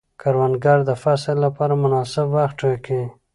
کروندګر د فصل لپاره مناسب وخت ټاکي